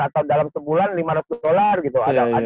atau dalam sebulan lima ratus dolar gitu